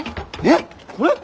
えっ？これ？